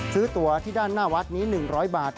ตัวที่ด้านหน้าวัดนี้๑๐๐บาท